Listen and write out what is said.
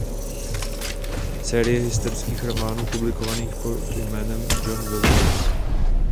Série historických románů publikovaných pod jménem Jon Williams.